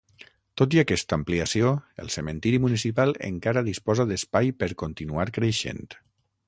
Tot i aquesta ampliació el cementiri municipal encara disposa d’espai per continuar creixent.